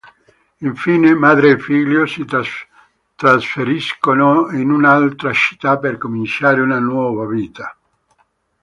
Infine, madre e figlio si trasferiscono in un'altra città per cominciare una nuova vita.